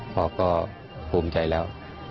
พ่อก็ภูมิใจแล้ว